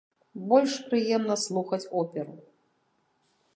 Больш прыемна слухаць оперу.